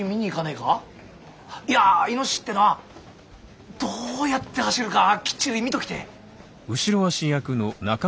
いや猪ってのはどうやって走るかきっちり見ときてえ。